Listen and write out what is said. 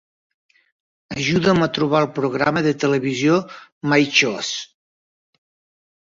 Ajuda'm a trobar el programa de televisió "My Choice".